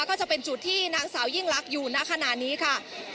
ก็จะเป็นจุดที่นางสาวยิ่งลักษณ์อยู่ณขณะนี้ค่ะ